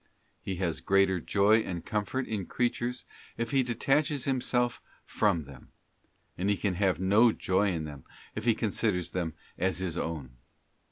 He has greater joy and comfort in creatures if he detaches himself from them; and he can have no joy in them if he considers them as his own.